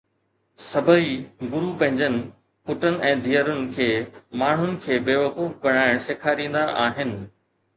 سڀئي گرو پنهنجن پٽن ۽ ڌيئرن کي ماڻهن کي بيوقوف بڻائڻ سيکاريندا آهن